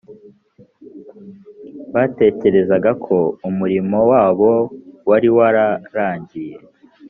batekerezaga ko umurimo wabo wari wararangiye